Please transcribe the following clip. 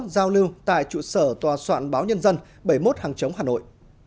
giao lưu tại trụ sở tòa soạn báo nhân dân bảy mươi một hàng chống hà nội